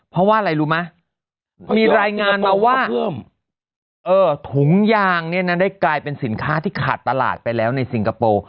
เพราะว่าอะไรรู้ไหมมีรายงานมาว่าถุงยางเนี่ยนะได้กลายเป็นสินค้าที่ขาดตลาดไปแล้วในสิงคโปร์